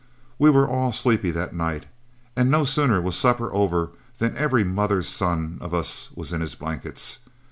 We were all sleepy that night, and no sooner was supper over than every mother's son of us was in his blankets.